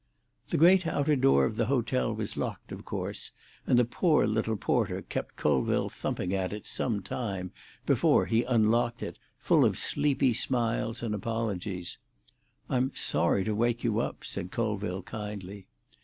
The great outer door of the hotel was locked, of course, and the poor little porter kept Colville thumping at it some time before he unlocked it, full of sleepy smiles and apologies. "I'm sorry to wake you up," said Colville kindly.